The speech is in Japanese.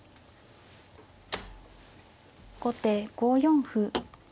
後手５四歩。